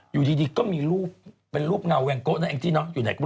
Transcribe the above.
อยู่ดีมีรูปเป็นรูปเงาแวงโกะนั้นจริงเนาะ